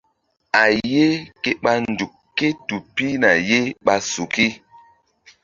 A ye ke ɓa nzuk ké tu pihna ye ɓa suki.